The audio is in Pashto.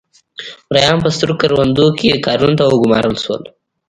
مریان په سترو کروندو کې کارونو ته وګومارل شول.